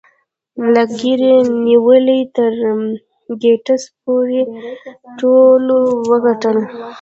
له ګيري نیولې تر ګیټس پورې ټولو وګټل